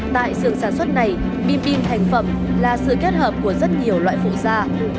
tại sường sản xuất này bim bim thành phẩm là sự kết hợp của rất nhiều loại phụ gia